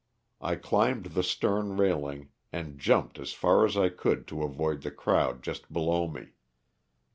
I climbed the stern railing and jumped far as I could to avoid the crowd just below me.